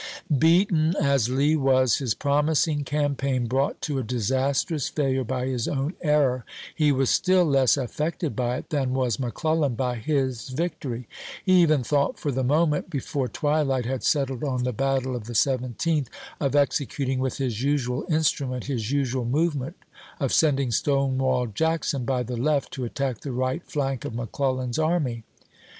Beaten as Lee was, his promising campaign brouglit to a disastrous failure by his own error, he was still less affected by it than was McClellan by his victory. He even thought for the moment, before twilight had settled on the battle of the 17th, of executing with his usual instrument his usual movement, of sending Stonewall Jackson by the left to attack the risrht fiank of McClellan's 144 ABEAHAM LINCOLN Chap. vn. army.